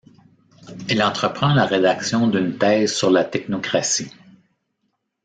Elle entreprend la rédaction d'une thèse sur la technocratie.